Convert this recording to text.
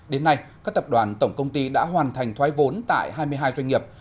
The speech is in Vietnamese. đến nay các tập đoàn tổng công ty đã hoàn thành thoái vốn tại hai mươi hai doanh nghiệp